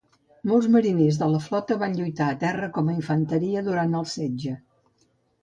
Molts mariners de la flota van lluitar a terra com infanteria durant el setge.